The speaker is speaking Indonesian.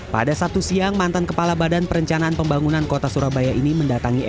pada sabtu siang mantan kepala badan perencanaan pembangunan kota surabaya ini mendatangi